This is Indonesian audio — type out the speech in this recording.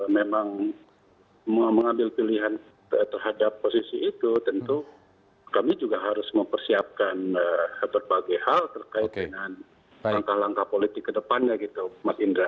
memang mengambil pilihan terhadap posisi itu tentu kami juga harus mempersiapkan berbagai hal terkait dengan langkah langkah politik ke depannya gitu mas indra